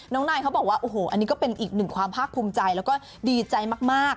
นายเขาบอกว่าโอ้โหอันนี้ก็เป็นอีกหนึ่งความภาคภูมิใจแล้วก็ดีใจมาก